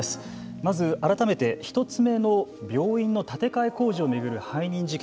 まず改めて１つ目の病院の建て替え工事を巡る背任事件